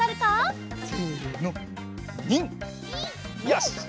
よし！